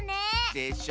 でしょ？